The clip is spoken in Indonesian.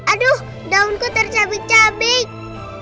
aduh daunku tercabik cabik